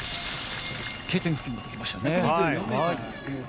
Ｋ点付近まできましたね。